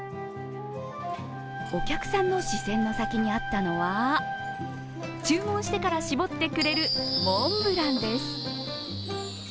お客さんの視線の先にあったのは注文してからしぼってくれるモンブランです。